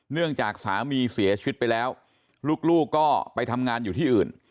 เนื่องจากสามีเสียชีวิตไปแล้วลูกก็ไปทำงานอยู่ที่อื่น